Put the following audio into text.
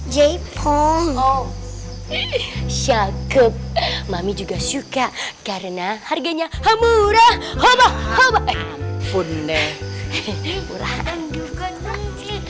jepong oh syokup mami juga suka karena harganya murah obat obat pun